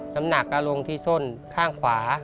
น้ำหนักก็ลงที่ส้นข้างขวา